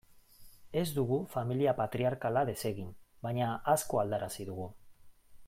Ez dugu familia patriarkala desegin, baina asko aldarazi dugu.